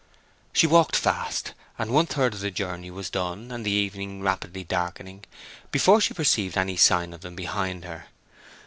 She walked fast, and one third of the journey was done, and the evening rapidly darkening, before she perceived any sign of them behind her.